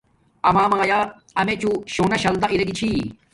آما مایا امیجوں شونا شلدہ اریگی چھی